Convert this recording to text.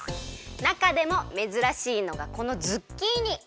なかでもめずらしいのがこのズッキーニ！